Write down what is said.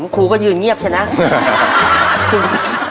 ครูก็ยืนเงียบใช่ไหม